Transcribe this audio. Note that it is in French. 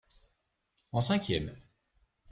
en cinquième.